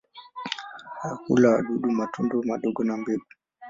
Hula wadudu, matunda madogo na mbegu.